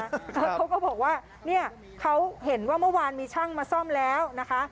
เขาก็บอกว่าเนี่ยเขาเห็นว่าเมื่อวานมีช่างมาซ่อมแล้วนะคะ